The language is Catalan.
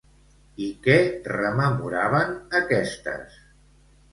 I què rememoraven aquestes?